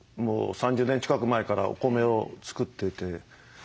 ３０年近く前からお米を作っていて。